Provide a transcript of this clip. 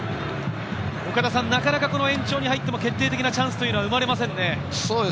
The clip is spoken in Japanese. なかなか延長に入っても決定的なチャンスというのが生まれませんね。